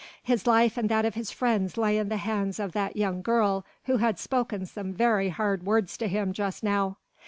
His life and that of his friends lay in the hands of that young girl who had spoken some very hard words to him just now.